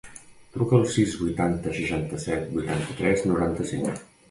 Truca al sis, vuitanta, seixanta-set, vuitanta-tres, noranta-cinc.